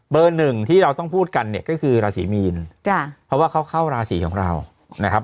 หนึ่งที่เราต้องพูดกันเนี่ยก็คือราศีมีนจ้ะเพราะว่าเขาเข้าราศีของเรานะครับ